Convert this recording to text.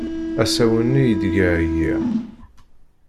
Asawen-nni ideg ɛyiɣ.